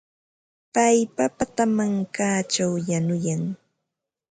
Pay papata mankaćhaw yanuyan.